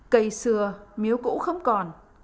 cây xưa miếu cũ không còn